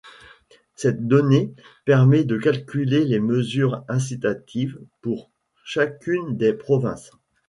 Cette donnée permet de calculer les mesures incitatives pour chacune des provinces.